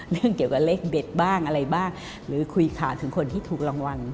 เรื่องเกี่ยวกับเลขเด็ดบ้างอะไรบ้างหรือคุยข่าวถึงคนที่ถูกรางวัล